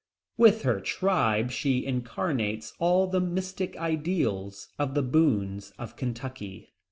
With her tribe she incarnates all the mystic ideals of the Boones of Kentucky.